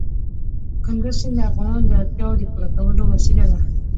کندز سیند د افغانانو د اړتیاوو د پوره کولو وسیله ده.